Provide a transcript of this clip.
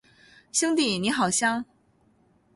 兄弟，你好香